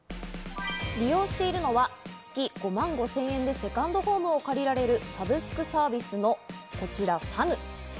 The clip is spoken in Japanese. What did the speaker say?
利用してるのは月５万５０００円でセカンドホームを借りられるサブスクサービスのこちらＳＡＮＵ。